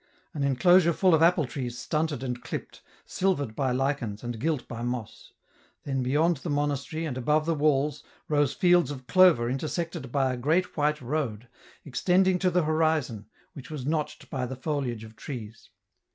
An enclosure full of apple trees stunted and clipped, silvered by lichens, and gilt by moss ; then beyond the monastery, and above the walls, rose fields of clover intersected by a great white road, extending to the horizon, which was notched by the foliage of trees.